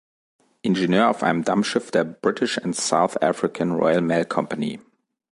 Ingenieur auf einem Dampfschiff der "British and South African Royal Mail Company".